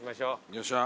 よっしゃ。